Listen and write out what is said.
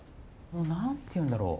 何て言うんだろう？